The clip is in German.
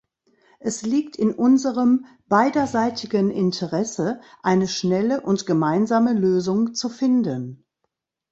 Es liegt in unserem beiderseitigen Interesse, eine schnelle und gemeinsame Lösung zu finden.